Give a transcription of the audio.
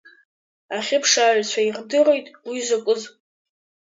Ахьыԥшааҩцәа ирдырит уи закәыз.